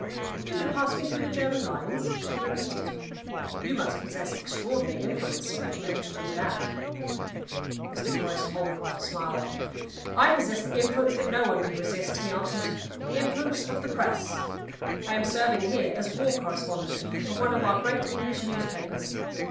"You can pass me through the German lines?" she repeated. "You must possess extraordinary influence, sir, to be able to do that." Mr. Horace Holmcroft smiled. "I possess the influence that no one can resist," he answered "the influence of the Press. I am serving here as war correspondent of one of our great English newspapers.